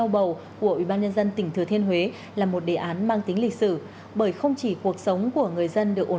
mà cũng là một đề án mang tính lịch sử